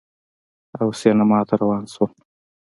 او سینما ته روان شول